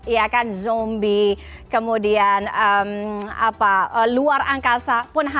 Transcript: ya kan zombie kemudian luar angkasa pun harus